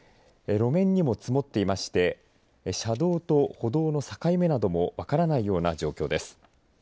路面にも積もっていまして車道と歩道の境目なども分からないような状況です。